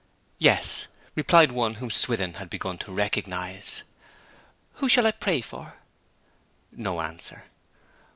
'Yes,' replied one whom Swithin had begun to recognize. 'Who shall I pray for?' No answer.